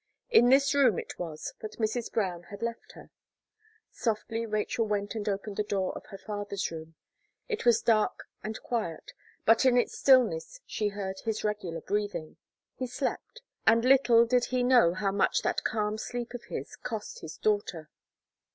In this room it was that Mrs. Brown had left her. Softly Rachel went and opened the door of her father's room; it was dark and quiet; but in its stillness, she heard his regular breathing he slept, and little, did he know how much that calm sleep of his cost his daughter.